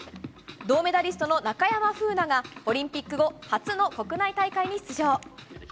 銅メダリストの中山楓奈がオリンピック後初の国内大会に出場。